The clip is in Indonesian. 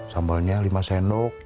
sambalnya lima senok